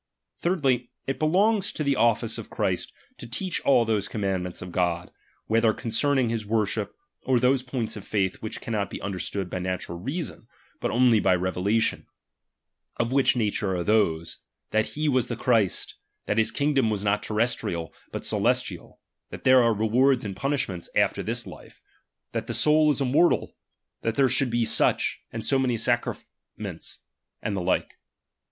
Thirdly, it belongs to the office of Christ to teach all those commandments of God, whether concerning his worship, or those points of faith which cannot be understood by natural reason, but only by revela^ tion ; of which nature are those, that he wa3 the Christ ; that his kingdom was not terrestrial, but celestial; that there are rewards and punishments after this life ; that the soul is immortal ; that there should be such, and so many sacraments ; and the like.